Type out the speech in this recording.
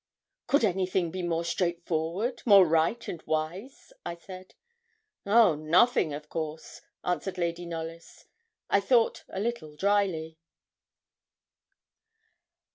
'Could anything be more straightforward, more right and wise?' I said. 'Oh, nothing of course,' answered Lady Knollys, I thought a little drily.